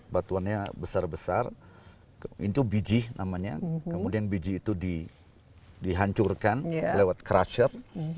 batuannya besar besar itu biji namanya kemudian biji itu dihancurkan lewat crusher